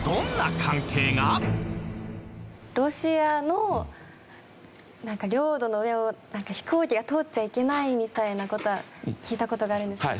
ロシアの領土の上を飛行機が通っちゃいけないみたいな事は聞いた事があるんですけど。